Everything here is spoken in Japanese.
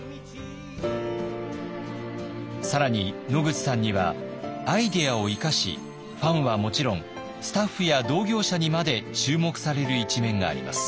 更に野口さんにはアイデアを生かしファンはもちろんスタッフや同業者にまで注目される一面があります。